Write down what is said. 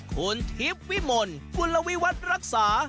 คุณทิพย์วิมลกุลวิวัตรรักษา